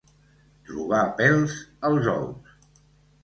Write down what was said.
Trobar pèls als ous.